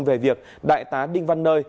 về việc đại tá đinh văn nơi